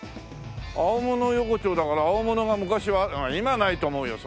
青物横丁だから青物が昔は今ないと思うよ